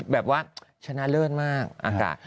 แบบว่าชนะเลิศมากอากาศ